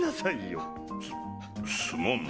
すすまん。